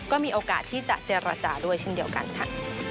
ก็มีโอกาสที่จะเจรจาด้วยเช่นเดียวกันค่ะ